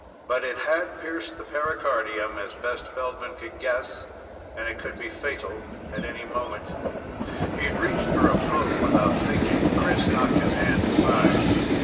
But it had pierced the pericardium, as best Feldman could guess, and it could be fatal at any moment. He'd reached for a probe without thinking. Chris knocked his hand aside.